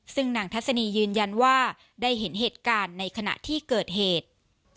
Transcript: ซึ่งนางทัศนียืนยันว่าได้เห็นเหตุการณ์ในขณะที่เกิดเหตุ